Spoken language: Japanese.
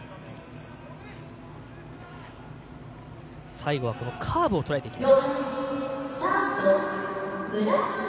最後はカーブを捉えていきました。